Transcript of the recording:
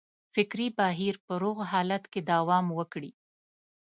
فکري بهیر په روغ حالت کې دوام وکړي.